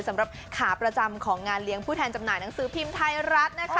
สำหรับขาประจำของงานเลี้ยงผู้แทนจำหน่ายหนังสือพิมพ์ไทยรัฐนะคะ